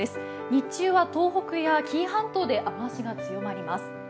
日中は東北や紀伊半島で雨足が強まります。